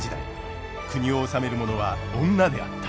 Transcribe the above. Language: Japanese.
国を治める者は女であった。